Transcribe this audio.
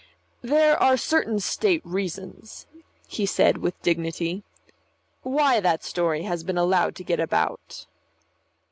"There are certain state reasons," he said with dignity, "why that story has been allowed to get about."